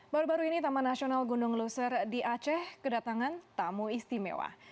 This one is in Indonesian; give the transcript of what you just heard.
baru baru ini taman nasional gunung luser di aceh kedatangan tamu istimewa